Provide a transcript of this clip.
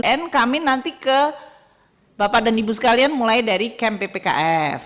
dan kami nanti ke bapak dan ibu sekalian mulai dari kmppkf